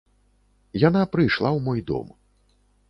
Яна прыйшла ў мой дом.